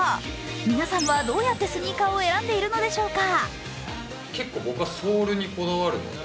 皆さんはどうやってスニーカーを選んでいるのでしょうか？